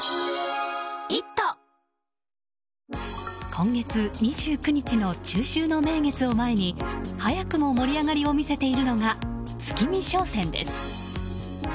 今月２９日の中秋の名月を前に早くも盛り上がりを見せているのが月見商戦です。